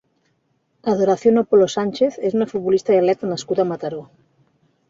Adoración Apolo Sánchez és una futbolista i atleta nascuda a Mataró.